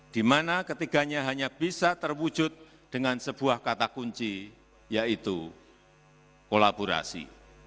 di mana ketiganya hanya bisa terwujud dengan sebuah kata kunci yaitu kolaborasi